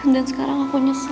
dan sekarang aku nyesel